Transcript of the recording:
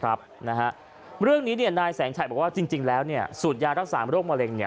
เรื่องนี้นายแสงชัยบอกว่าจริงแล้วสูตรยารักษาโรคมะเร็ง